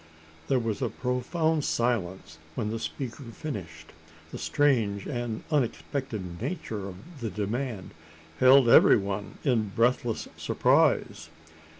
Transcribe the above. There was a profound silence when the speaker finished. The strange and unexpected nature of the demand, held every one in breathless surprise.